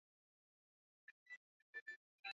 yaliyojengwa karne ya kumi na nne